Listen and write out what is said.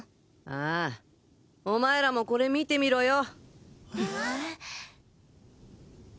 ああお前らもこれ見てみろよ。